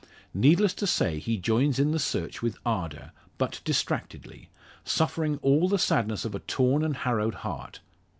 Needless to say, he joins in the search with ardour, but distractedly; suffering all the sadness of a torn and harrowed heart.